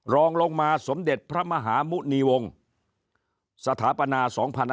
รองลงมาสมเด็จพระมหาหมุณีวงศ์สถาปนา๒๕๕๙